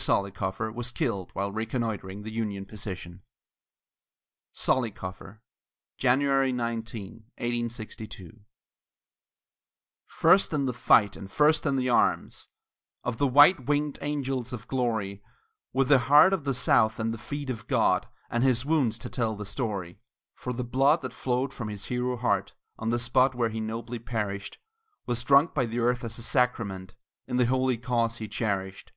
Zollicoffer was killed while reconnoitring the Union position. ZOLLICOFFER [January 19, 1862] First in the fight, and first in the arms Of the white winged angels of glory, With the heart of the South at the feet of God, And his wounds to tell the story; For the blood that flowed from his hero heart, On the spot where he nobly perished, Was drunk by the earth as a sacrament In the holy cause he cherished!